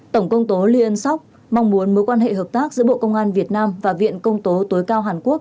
tổng công tố lyonc mong muốn mối quan hệ hợp tác giữa bộ công an việt nam và viện công tố tối cao hàn quốc